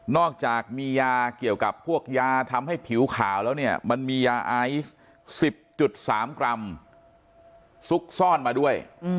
อกจากมียาเกี่ยวกับพวกยาทำให้ผิวขาวแล้วเนี่ยมันมียาไอซ์๑๐๓กรัมซุกซ่อนมาด้วย